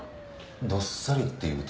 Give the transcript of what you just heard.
どっさりっていうと？